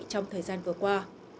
trong thời gian vừa qua